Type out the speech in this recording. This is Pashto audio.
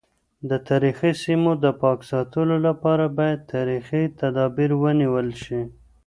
د تاریخي سیمو د پاک ساتلو لپاره باید ځانګړي تدابیر ونیول شي.